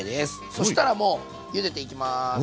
そしたらもうゆでていきます。